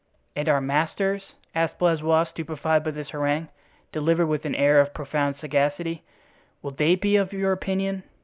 "And our masters?" asked Blaisois, stupefied by this harangue, delivered with an air of profound sagacity, "will they be of your opinion?"